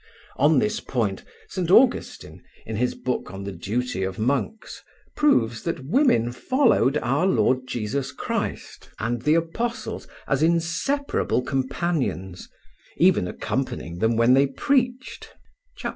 On this point St. Augustine, in his book on the duty of monks, proves that women followed our Lord Jesus Christ and the apostles as inseparable companions, even accompanying them when they preached (Chap.